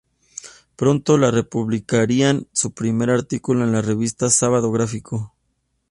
Pronto le publicarían su primer artículo en la revista "Sábado Gráfico".